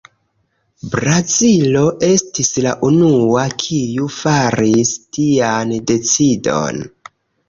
Brazilo estis la unua, kiu faris tian decidon.